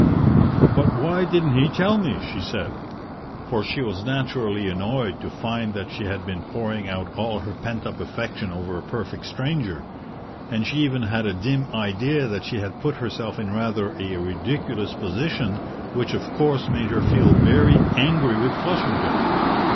"But why didn't he tell me?" she said, for she was naturally annoyed to find that she had been pouring out all her pent up affection over a perfect stranger, and she even had a dim idea that she had put herself in rather a ridiculous position, which of course made her feel very angry with Flushington.